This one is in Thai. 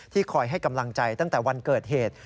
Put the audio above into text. คอยให้กำลังใจตั้งแต่วันเกิดเหตุ